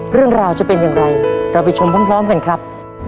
เรื่องราวจะเป็นอย่างไรเราไปชมพร้อมกันครับ